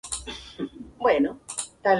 Sol moderado.